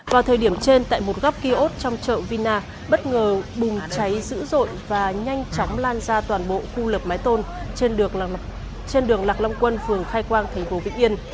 vào thời điểm trên tại một góc kiosk trong chợ vina bất ngờ bùng cháy dữ dội và nhanh chóng lan ra toàn bộ khu lập mái tôn trên đường lạc long quân phường khai quang thành phố vĩnh yên